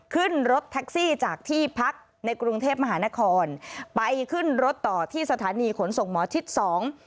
ขึ้นรถแท็กซี่จากที่พักในกรุงเทพมหานครไปขึ้นรถต่อที่สถานีขนส่งหมอชิดสอง